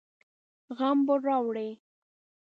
غم به راوړي.